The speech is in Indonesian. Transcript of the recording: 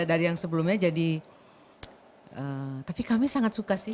dari yang sebelumnya jadi tapi kami sangat suka sih